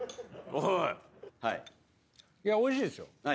いやおいしいですよ。